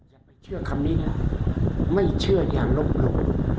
อย่าไม่เชื่อคำนี้นะไม่เชื่ออย่าลบหลู่